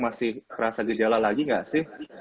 masih terasa gejala lagi nggak sih